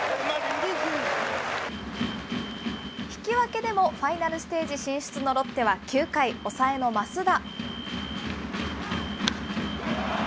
引き分けでもファイナルステージ進出のロッテは９回、抑えの益田。